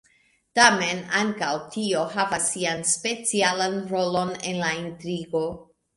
Tamen, ankaŭ tio havas sian specialan rolon en la intrigo.